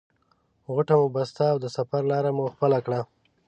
غوټه مو بسته او د سفر لاره مو خپله کړه.